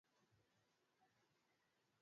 ikiwa ni moja ya njia ya kuusaka uungwaji mkono